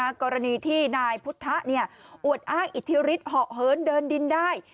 กรณีที่นายพุทธะอวดอ้างอิทธิฤทธิเหาะเหินเดินดินได้